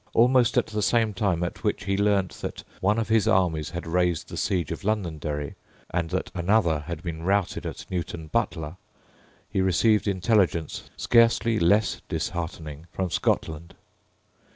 Almost at the same time at which he learned that one of his armies had raised the siege of Londonderry, and that another had been routed at Newton Butler, he received intelligence scarcely less disheartening from Scotland.